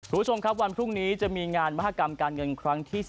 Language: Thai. คุณผู้ชมครับวันพรุ่งนี้จะมีงานมหากรรมการเงินครั้งที่๓